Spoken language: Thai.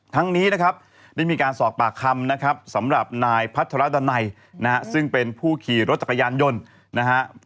ทั้งนี้ได้มีการสอกปากคำสำหรับนายพัทรดันัยซึ่งเป็นผู้ขี่รถจักรยานยนต์